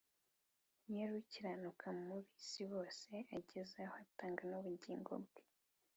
Yar' ukiranuka mu b'isi bose, Agezahw atang' ubugingo bwe.